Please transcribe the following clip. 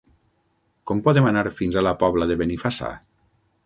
Com podem anar fins a la Pobla de Benifassà?